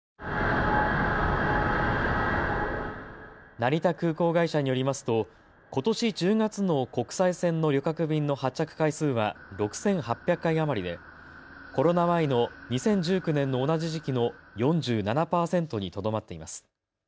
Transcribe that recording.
成田空港会社によりますとことし１０月の国際線の旅客便の発着回数は６８００回余りでコロナ前の２０１９年の同じ時期の４７％にとどまっています。